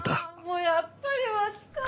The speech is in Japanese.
もうやっぱり浮気か。